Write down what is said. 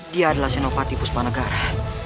dia adalah senopati puspanegara